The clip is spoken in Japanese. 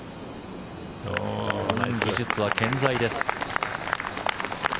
技術は健在です。